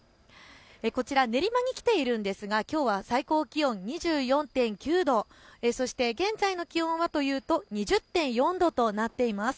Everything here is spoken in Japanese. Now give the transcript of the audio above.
こちら練馬に来ているんですがきょうは最高気温２４．９度、そして現在の気温は２０．４度となっています。